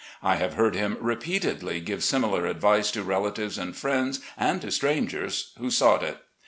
I have heard him repeatedly give similar advice to relatives and friends and to strangers who sought it.